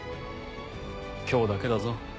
今日だけだぞ？